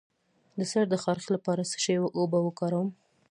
د سر د خارښ لپاره د څه شي اوبه وکاروم؟